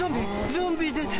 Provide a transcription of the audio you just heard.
ゾンビ出た！